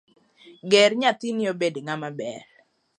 Ger nathini obed ng'ama ber.